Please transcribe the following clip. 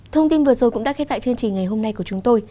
thông tin vừa rồi cũng đã khép lại chương trình ngày hôm nay của chúng tôi